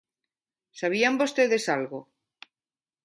¿Sabían vostedes algo?